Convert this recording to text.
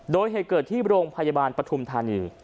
โดยเหตุเกิดที่โรงพยาบาลปฐุมธานี